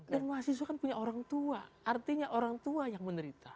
dan mahasiswa kan punya orang tua artinya orang tua yang menderita